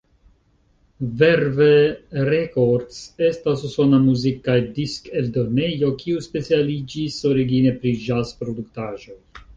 Verve Records estas usona muzik- kaj diskeldonejo, kiu specialiĝis origine pri ĵaz-produktaĵoj.